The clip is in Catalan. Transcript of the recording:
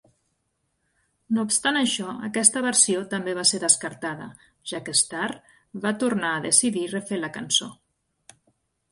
No obstant això, aquesta versió també va ser descartada, ja que Starr va tornar a decidir refer la cançó.